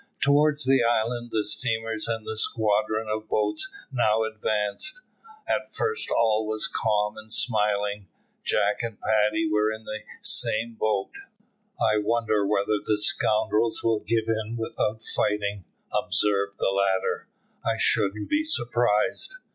Towards the island the steamers and the squadron of boats now advanced. At first all was calm and smiling. Jack and Paddy were in the same boat. "I wonder whether the scoundrels will give in without fighting," observed the latter; "I shouldn't be surprised."